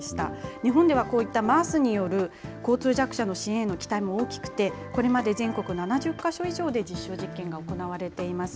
日本ではこういったＭａａＳによる、交通弱者の支援への期待も大きくて、これまで全国７０か所以上で実証実験が行われています。